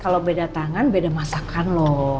kalau beda tangan beda masakan loh